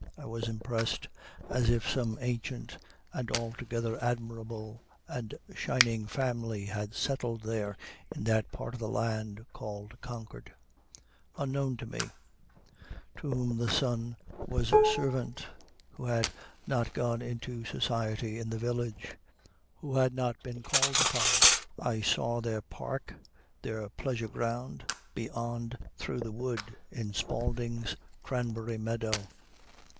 I was impressed as if some ancient and altogether admirable and shining family had settled there in that part of the land called Concord, unknown to me, to whom the sun was servant, who had not gone into society in the village, who had not been called on. I saw their park, their pleasure ground, beyond through the wood, in Spaulding's cranberry meadow.